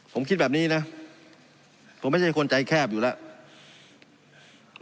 ผมคิดแบบนี้นะผมไม่ใช่คนใจแคบอยู่แล้ว